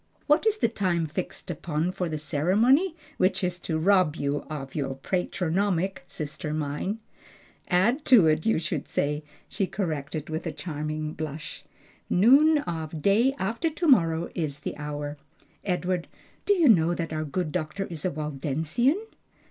What is the time fixed upon for the ceremony which is to rob you of your patronymic, sister mine?" "Add to it, you should say," she corrected, with a charming blush. "Noon of day after to morrow is the hour. Edward, do you know that our good doctor is a Waldensian?"